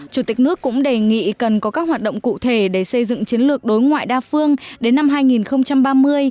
chủ tịch nước cũng đề nghị cần có các hoạt động cụ thể để xây dựng chiến lược đối ngoại đa phương đến năm hai nghìn ba mươi